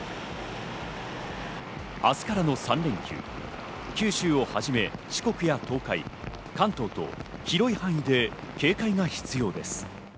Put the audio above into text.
明日からの３連休、九州をはじめ、四国や東海、関東と広い範囲で警戒が必要です。